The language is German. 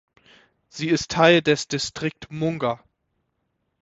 Sie ist Teil des Distrikt Munger.